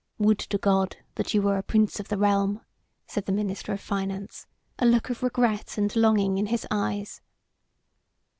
"Would to God that you were a Prince of the realm," said the minister of finance, a look of regret and longing in his eyes.